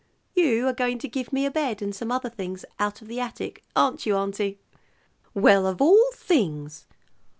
You are going to give me a bed and some other things out of the attic, aren't you, auntie?" "Well, of all things!"